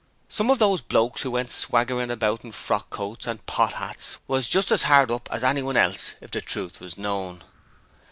Some of those blokes who went swaggering about in frock coats and pot 'ats was just as 'ard up as anyone else if the truth was known.